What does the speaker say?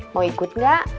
mau ikut gak